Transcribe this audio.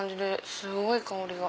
すごい！香りが。